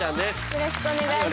よろしくお願いします。